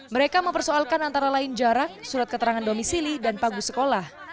mereka mempersoalkan antara lain jarak surat keterangan domisili dan pagu sekolah